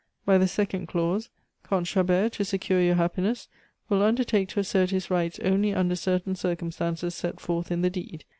By the second clause Comte Chabert, to secure your happiness, will undertake to assert his rights only under certain circumstances set forth in the deed.